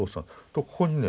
ここにね